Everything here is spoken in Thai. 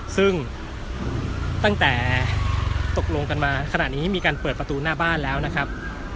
ซึ่งตั้งแต่ตกลงกันมาขณะนี้มีการเปิดประตูหน้าบ้านแล้วนะครับ